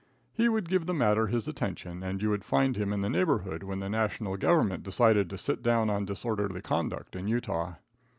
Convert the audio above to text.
He would give the matter his attention, and you would find him in the neighborhood when the national government decided to sit down on disorderly conduct in Utah.